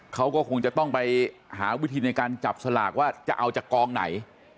เขาก็คงจะต้องไปหาวิธีในการจับสลากว่าจะเอาจากกองไหน